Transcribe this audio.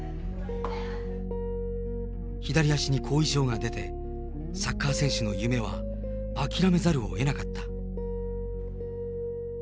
左足に後遺症が出て、サッカー選手の夢は諦めざるをえなかった。